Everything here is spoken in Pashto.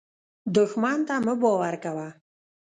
دښمن ته مه باور کوه